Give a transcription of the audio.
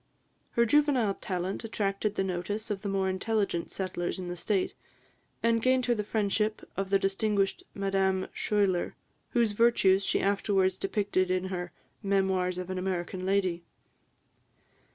Her juvenile talent attracted the notice of the more intelligent settlers in the State, and gained her the friendship of the distinguished Madame Schuyler, whose virtues she afterwards depicted in her "Memoirs of an American Lady."